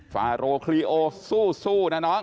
ฟาโรคลีโอสู้นะน้อง